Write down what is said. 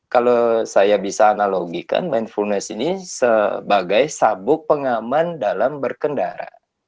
kalau saya bisa analogikan mindfulness ini sebagai sabuk pengaman dalam berkendara